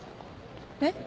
えっ？